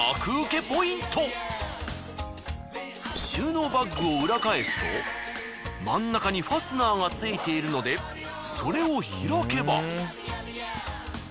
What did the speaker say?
収納バッグを裏返すと真ん中にファスナーがついているのでそれを開けば。